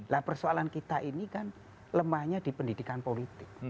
nah persoalan kita ini kan lemahnya di pendidikan politik